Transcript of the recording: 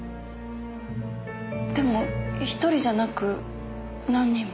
でも１人じゃなく何人も。